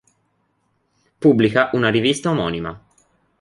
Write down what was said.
Pubblica una Rivista omonima.